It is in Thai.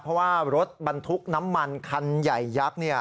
เพราะว่ารถบรรทุกน้ำมันคันใหญ่ยักษ์